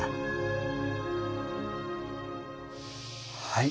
はい。